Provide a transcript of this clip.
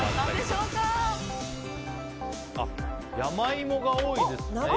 山芋が多いですね。